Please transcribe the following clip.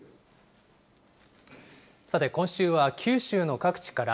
さて今週は、九州の各地から